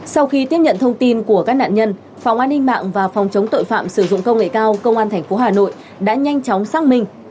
sau khi tiếp nhận thông tin của các nạn nhân phòng an ninh mạng và phòng chống tội phạm sử dụng công nghệ cao công an tp hà nội đã nhanh chóng xác minh